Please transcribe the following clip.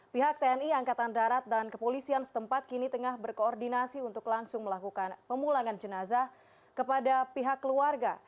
pihak tni angkatan darat dan kepolisian setempat kini tengah berkoordinasi untuk langsung melakukan pemulangan jenazah kepada pihak keluarga